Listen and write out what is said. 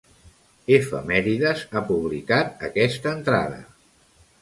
Efemèrides ha publicat aquesta entrada.